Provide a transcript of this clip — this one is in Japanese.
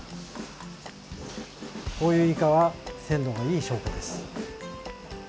こういうイカは鮮度がいい証拠です。